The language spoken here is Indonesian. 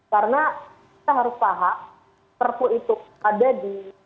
karena kita harus paham prp itu ada di